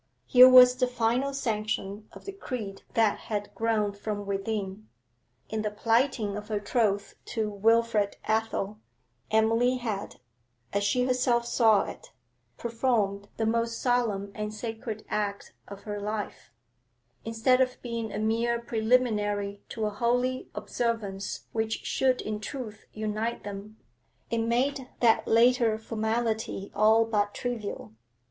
Here was the final sanction of the creed that had grown from within. In the plighting of her troth to Wilfrid Athel, Emily had, as she herself saw it, performed the most solemn and sacred act of her life; instead of being a mere preliminary to a holy observance which should in truth unite them, it made that later formality all but trivial.